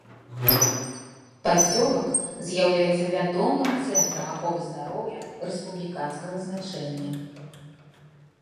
Пасёлак з'яўляецца вядомым цэнтрам аховы здароўя рэспубліканскага значэння.